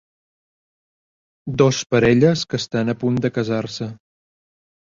Dos parelles que estan a punt de casar-se